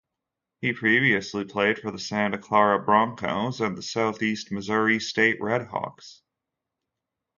He previously played for the Santa Clara Broncos and the Southeast Missouri State Redhawks.